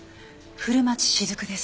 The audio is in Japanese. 古町雫です。